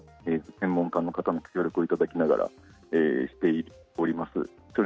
専門家の方のご協力をいただきながらしております。